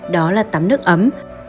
đó là tắm nước ấm